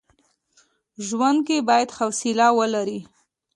ژوند کي بايد حوصله ولري.